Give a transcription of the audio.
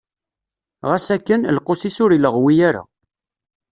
Ɣas akken, lqus-is ur illeɣwi ara.